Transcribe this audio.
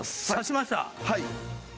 挿しました！